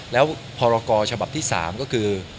แล้วพรกรฉบับที่๓ก็คือ